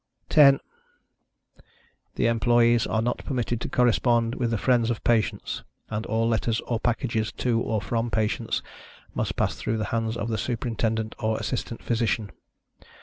10. The employees are not permitted to correspond with the friends of patients; and all letters or packages to, or from, patients, must pass through the hands of the Superintendent or Assistant Physician.